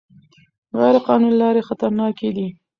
غیر قانوني لارې خطرناکې دي.